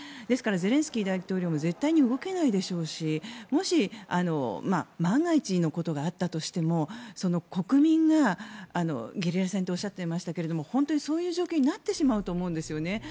ですからゼレンスキー大統領も絶対に動けないでしょうしもし万が一のことがあったとしても国民がゲリラ戦とおっしゃっていましたけれども本当にそういう状況になってしまうと思うんですよね。